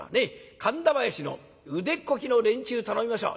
神田囃子の腕っこきの連中頼みましょう。